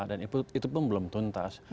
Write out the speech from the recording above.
dan itu pun belum tuntas